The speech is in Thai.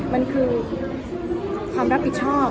มันคือความรับผิดชอบ